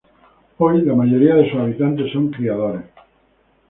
Hoy, la mayoría de sus habitantes son criadores.